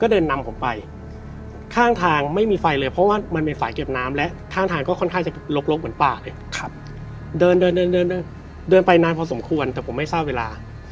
เดินไปนานพอสมควรแต่ผมไม่เศร้าเวลา